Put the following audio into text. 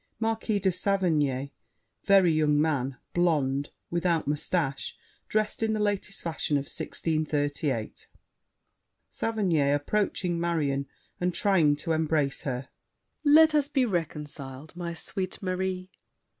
Marquis de Saverny, very young man, blonde, without mustache, dressed in the latest fashion of 1638 SAVERNY (approaching Marion and trying to embrace her). Let us be reconciled, my sweet Marie!